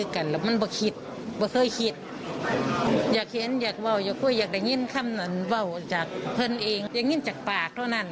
ค่ะส่วนในศรีน้ำนี่ค่ะ